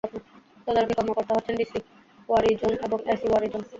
তদারকি কর্মকর্তা হচ্ছেন ডিসি ওয়ারী জোন এবং এসি ওয়ারী জোন।